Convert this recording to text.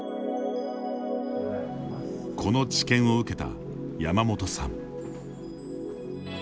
この治験を受けたヤマモトさん。